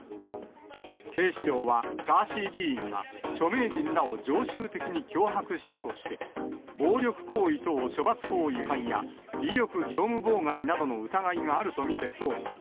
警視庁は、ガーシー議員が著名人らを常習的に脅迫したとして、暴力行為等処罰法違反や威力業務妨害などの疑いがあると見て捜査。